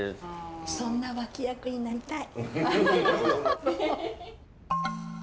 そんな脇役になりたい。